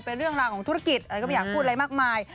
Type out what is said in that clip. เป็นเรื่องราวของธุรกิจอะไรก็ไม่อยากพูดอะไรมากมาย